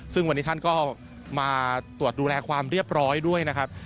ซึ่งวันนี้ท่านก็มาตรวจดูแลความเรียบร้อยด้วยนะครับ